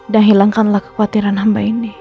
dan hilangkanlah kekuatiran hamba ini